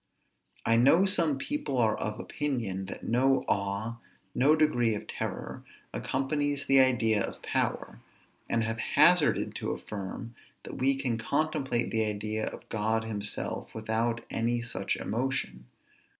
I know some people are of opinion, that no awe, no degree of terror, accompanies the idea of power; and have hazarded to affirm, that we can contemplate the idea of God himself without any such emotion.